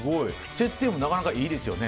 設定もなかなかいいですよね。